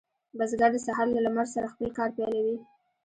بزګر د سهار له لمر سره خپل کار پیلوي.